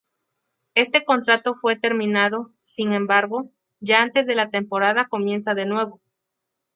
Este contrato fue terminado, sin embargo, ya antes de la temporada comienza de nuevo.